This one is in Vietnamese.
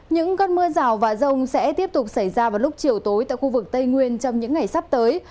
những cơn mưa rào và rông sẽ tiếp tục xảy ra vào lúc chiều tối tại khu vực tây nguyên trong những ngày sắp tới